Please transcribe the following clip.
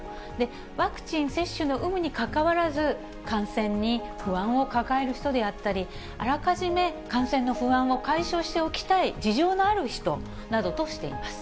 ワクチン接種の有無にかかわらず、感染に不安を抱える人であったり、あらかじめ感染の不安を解消しておきたい事情のある人などとしています。